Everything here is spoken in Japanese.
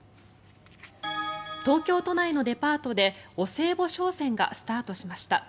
東京都内のデパートでお歳暮商戦がスタートしました。